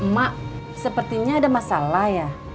mak sepertinya ada masalah ya